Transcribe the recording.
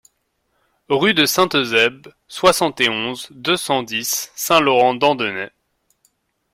Rue de Saint-Eusèbe, soixante et onze, deux cent dix Saint-Laurent-d'Andenay